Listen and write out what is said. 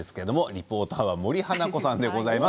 リポーターは森花子さんです。